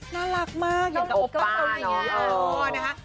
น่ารักมากเหมือนกับโอป้าเนอะ